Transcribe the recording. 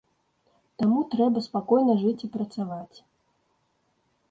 Таму трэба спакойна жыць і працаваць.